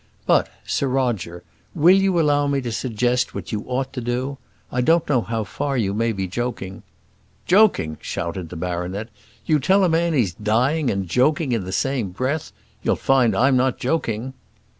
But, Sir Roger, will you allow me to suggest what you ought to do? I don't know how far you may be joking " "Joking!" shouted the baronet; "you tell a man he's dying and joking in the same breath. You'll find I'm not joking."